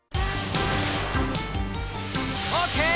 オッケー！